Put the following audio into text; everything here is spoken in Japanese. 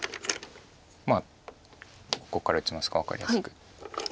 まあここから打ちますか分かりやすく。